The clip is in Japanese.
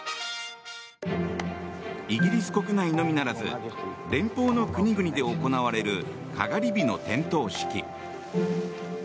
イギリス国内のみならず連邦の国々で行われるかがり火の点灯式。